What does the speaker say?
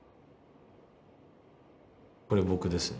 これ僕ですね。